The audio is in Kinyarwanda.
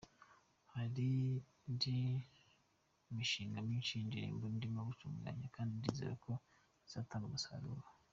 Hari indi mishinga myinshi y’indirimbo ndimo gutunganya kandi ndizera ko zizatanga umusaruro.